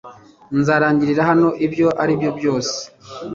Nzarangirira hano ibyo ari byo byose